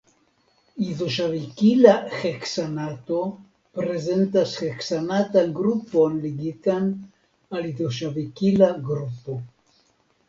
Izoŝavikila heksanato prezentas heksanatan grupon ligitan al izoŝavikila grupo.